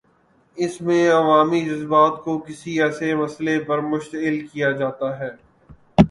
اس میں عوامی جذبات کو کسی ایسے مسئلے پر مشتعل کیا جاتا ہے۔